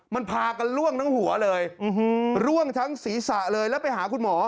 มันพากันล่วงทั้งหัวเลยร่วงทั้งศีรษะเลยแล้วไปหาคุณหมอ